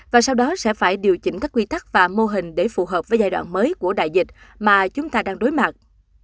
và sau đó sẽ phải điều chỉnh các quy tắc và mô hình để phù hợp với giai đoạn mới của đại dịch mà chúng ta đang đối mặt